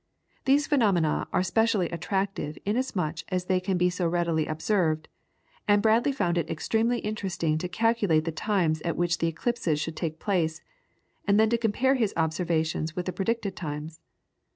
These phenomena are specially attractive inasmuch as they can be so readily observed, and Bradley found it extremely interesting to calculate the times at which the eclipses should take place, and then to compare his observations with the predicted times.